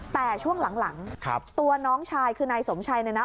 แต่ช่วงหลังตัวน้องชายคือนายสมชัยเนี่ยนะ